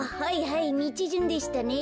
はいみちじゅんでしたね。